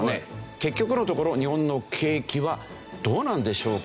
結局のところ日本の景気はどうなんでしょうか？